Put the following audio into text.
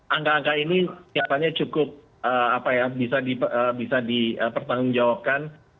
angka angka ini kelihatannya cukup bisa dipertanggungjawabkan